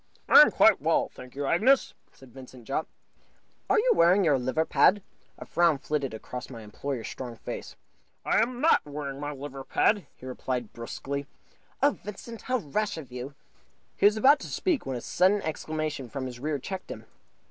"I am quite well, thank you, Agnes," said Vincent Jopp. "Are you wearing your liver pad?" A frown flitted across my employer's strong face. "I am not wearing my liver pad," he replied, brusquely. "Oh, Vincent, how rash of you!" He was about to speak, when a sudden exclamation from his rear checked him.